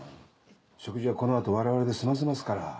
食事はこのあと我々で済ませますから。